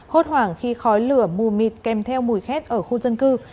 hốt hoảng khi khói lửa mù mịt kèm theo mùi khét ở khu dân cư